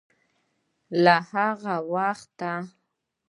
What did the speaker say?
له هغه وخته